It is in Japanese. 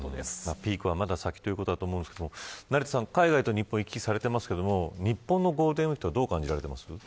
ピークはまだ先ということですが成田さん、海外と日本行き来されていますが日本のゴールデンウイークどう感じますか。